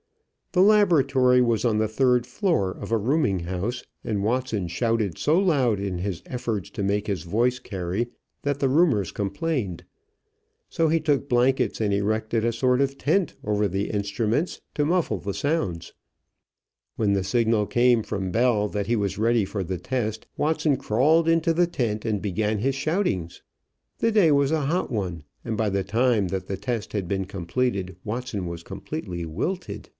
The laboratory was on the third floor of a rooming house, and Watson shouted so loud in his efforts to make his voice carry that the roomers complained. So he took blankets and erected a sort of tent over the instruments to muffle the sound. When the signal came from Bell that he was ready for the test, Watson crawled into the tent and began his shoutings. The day was a hot one, and by the time that the test had been completed Watson was completely wilted.